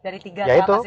dari tiga apa sih itu